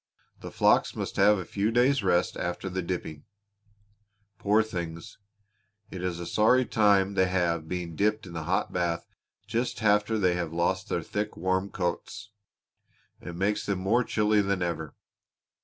The flocks must have a few days' rest after the dipping. Poor things! It is a sorry time they have being dipped in that hot bath just after they have lost their thick, warm coats; it makes them more chilly than ever.